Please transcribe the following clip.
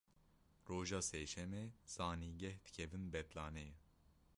Roja sêşemê zanîngeh dikevin betlaneyê.